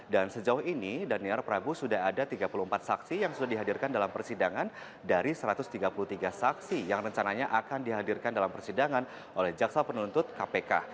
dan sejauh ini daniel dan prabu sudah ada tiga puluh empat saksi yang sudah dihadirkan dalam persidangan dari satu ratus tiga puluh tiga saksi yang rencananya akan dihadirkan dalam persidangan oleh jaksa peneluntut kpk